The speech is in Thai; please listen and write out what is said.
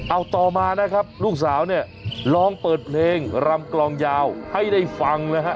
เอาต่อมานะครับลูกสาวเนี่ยลองเปิดเพลงรำกลองยาวให้ได้ฟังนะฮะ